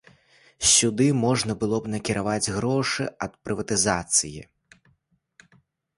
Сюды можна было б накіраваць грошы ад прыватызацыі.